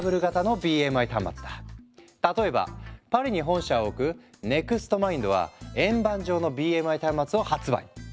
例えばパリに本社を置くＮｅｘｔＭｉｎｄは円盤状のＢＭＩ端末を発売。